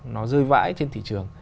nó rơi vãi trên thị trường